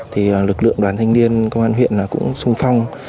thì lực lượng đoàn thanh niên công an huyện là cũng sung phong